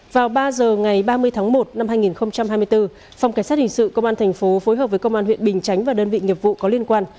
vào ba h ngày ba mươi tháng một năm hai nghìn hai mươi bốn phòng kỳ sát hình sự công an tp hcm phối hợp với công an huyện bình chánh và đơn vị nghiệp vụ có liên quan